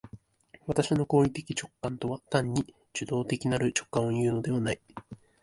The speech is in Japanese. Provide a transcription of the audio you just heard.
私の行為的直観とは単に受働的なる直覚をいうのではない。